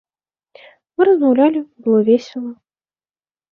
Мы размаўлялі, было весела.